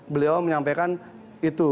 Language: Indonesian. beliau menyampaikan itu